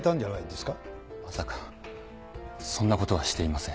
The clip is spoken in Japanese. まさかそんな事はしていません。